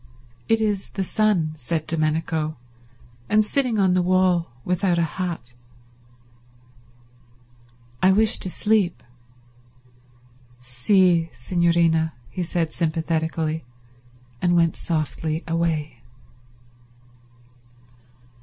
"It is the sun," said Domenico, "and sitting on the wall without a hat." "I wish to sleep." "Sì signorina," he said sympathetically; and went softly away.